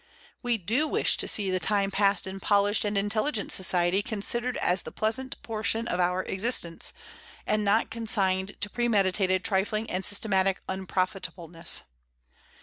We do wish to see the time passed in polished and intelligent society considered as the pleasant portion of our existence, and not consigned to premeditated trifling and systematic unprofitableness.